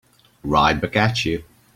Right back at you.